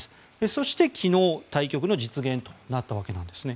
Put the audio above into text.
そして昨日対局の実現となったわけですね。